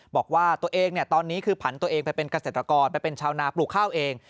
บอกว่าตัวเองตอนนี้คือผันตัวเองไปเป็นเกษตรกรไปเป็นชาวนาปลูกข้าวเอง